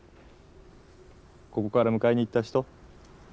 ここから迎えに行った人？